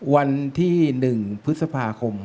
วันที่๑พฤษภาคม๒๕๕๓